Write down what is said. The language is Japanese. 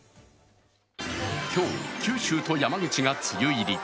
今日、九州と山口が梅雨入り。